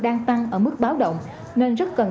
đang tăng ở mức báo động nên rất cần